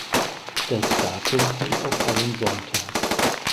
Das Datum fiel auf einen Sonntag.